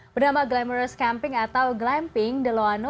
bernama glamores camping atau glamping de loano